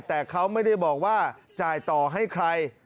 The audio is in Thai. แต่เขาไม่ได้บอกว่าจ่ายต่อให้ใคร